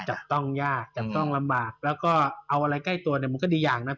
จับต้องยากและเอาอะไรใกล้ตัวชีวิตค่ะ